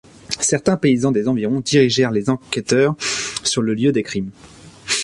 Certains paysans des environs dirigèrent les enquêteurs sur le lieu des crimes.